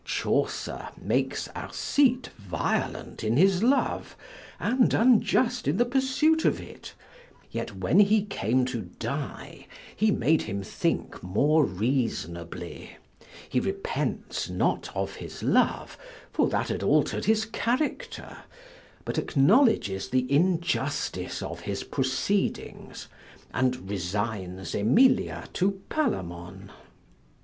Chaucer makes Arcite violent in his love, and unjust in the pursuit of it; yet when he came to die, he made him think more reasonably: he repents not of his love, for that had alter'd his character; but acknowledges the injustice of his proceedings, and resigns Emilia to Palamon.